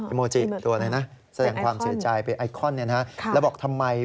โมจิตัวอะไรนะแสดงความเสียใจเป็นไอคอนแล้วบอกทำไม